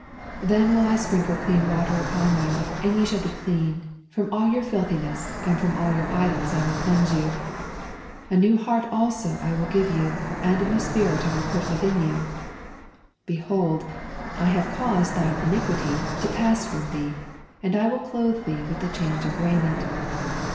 'Then will I sprinkle clean water upon you, and ye shall be clean: from all your filthiness, and from all your idols will I cleanse you. A new heart also will I give you, and a new spirit will I put within you ... Behold, I have caused thine iniquity to pass from thee, and I will clothe thee with change of raiment.